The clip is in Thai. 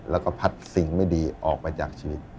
แล้วก็พัดสิ่งไม่ดีออกมาจากชีวิต